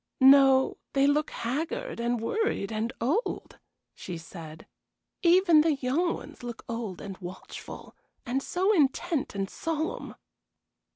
"No, they look haggard, and worried, and old," she said. "Even the young ones look old and watchful, and so intent and solemn."